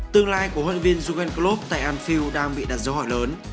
tương lai của huấn luyện viên jugendklub tại anfield đang bị đặt dấu hỏi lớn